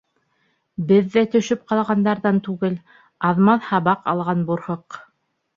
Беҙ ҙә төшөп ҡалғандарҙан түгел, аҙ-маҙ һабаҡ алған бурһыҡ.